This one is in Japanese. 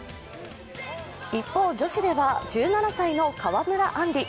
一方、女子では１７歳の川村あん